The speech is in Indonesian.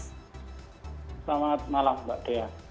selamat malam mbak kaya